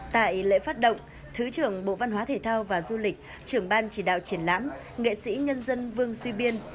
tại lễ phát động thứ trưởng bộ văn hóa thể thao và du lịch trưởng ban chỉ đạo triển lãm nghệ sĩ nhân dân vương suy biên